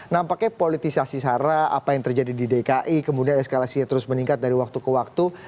nampaknya politisasi sarah apa yang terjadi di dki kemudian eskalasinya terus meningkat dari waktu ke waktu